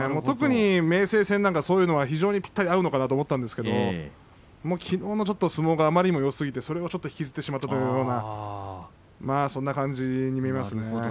特に明生戦は非常にそういうのが合うのかと思ったんですけどきのうの相撲があまりにもよすぎてそれを引きずってしまったというようなそんな感じに見えますね。